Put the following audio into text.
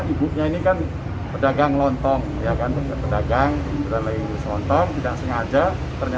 ibu ingat air usok